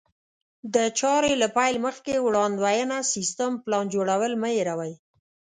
د چارې له پيل مخکې وړاندوینه، سيستم، پلان جوړول مه هېروئ.